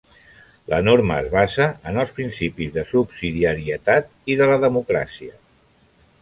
La norma es basa en els principis de subsidiarietat i de la democràcia.